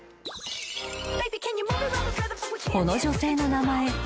［この女性の名前